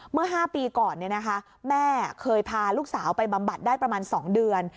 เมื่อ๕ปีก่อนแม่เคยพาลูกสาวไปบำบัดได้ประมาณ๒เดือน